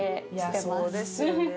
そうですよね。